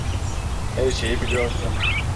Her şeyi biliyorsun.